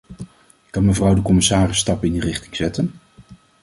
Kan mevrouw de commissaris stappen in die richting zetten?